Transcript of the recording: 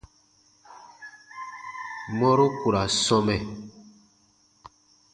Mɔru ku ra sɔmɛ.